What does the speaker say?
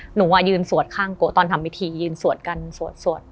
หนูยืนสวดข้างโกะตอนทำพิธียืนสวดกันสวด